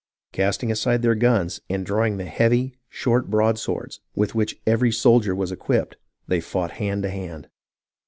Cast ing aside their guns, and drawing the heavy, short broad swords with which every soldier was equipped, they fought hand to hand.